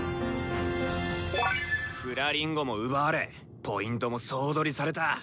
「フラリンゴ」も奪われポイントも総取りされた。